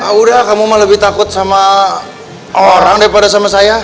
ya udah kamu mah lebih takut sama orang daripada sama saya